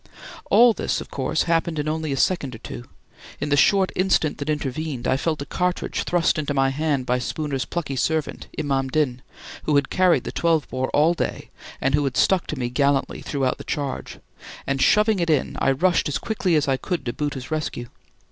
All this, of course, happened in only a second or two. In the short instant that intervened, I felt a cartridge thrust into my hand by Spooner's plucky servant, Imam Din, who had carried the 12 bore all day and who had stuck to me gallantly throughout the charge; and shoving it in, I rushed as quickly as I could to Bhoota's rescue.